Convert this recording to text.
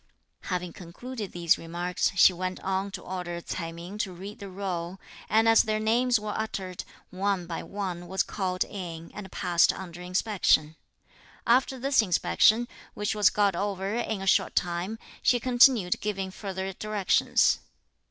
Having concluded these remarks, she went on to order Ts'ai Ming to read the roll; and, as their names were uttered, one by one was called in, and passed under inspection. After this inspection, which was got over in a short time, she continued giving further directions.